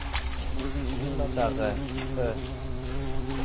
Нимә тағы «ы»?